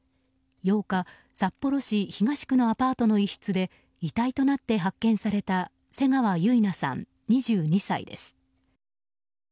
８日、札幌市東区のアパートの一室で遺体となって発見された瀬川結菜さん、２２歳です。